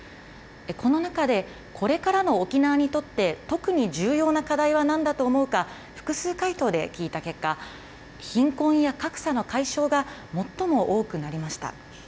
この中で、これからの沖縄にとって特に重要な課題はなんだと思うか、複数回答で聞いた結果、貧困や格差の解消が最も多くなりました。